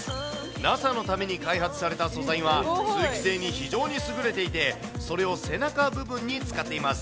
ＮＡＳＡのために開発された素材は通気性に非常に優れていて、それを背中部分に使っています。